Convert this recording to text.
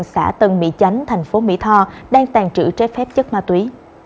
xã tân mỹ chánh thành phố mỹ tho đang tàn trữ trái phép chất ma túy